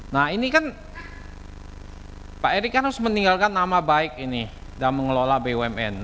nah ini kan pak erick kan harus meninggalkan nama baik ini dan mengelola bumn